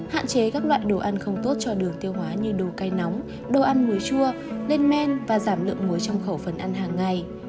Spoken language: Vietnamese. hạn chế các loại đồ ăn không tốt cho đường tiêu hóa như đồ cây nóng đồ ăn muối chua lên men và giảm lượng muối trong khẩu phần ăn hàng ngày